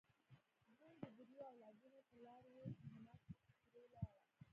جون د دریو اولادونو پلار و چې حنا ترې لاړه